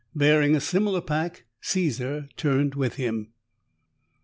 Bearing a similar pack, Caesar turned with him.